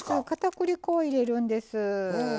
かたくり粉を入れるんです。